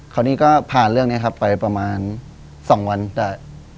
คราวนี้ก็ผ่านเรื่องนี้ครับไปประมาณ๒วันได้